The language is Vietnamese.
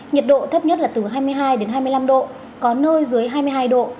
nhiệt độ thấp nhất là từ hai mươi hai đến hai mươi năm độ có nơi dưới hai mươi hai độ